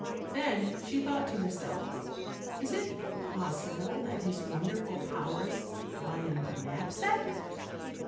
Then she thought to herself, "Is it possible that his wonderful powers lie in the knapsack?"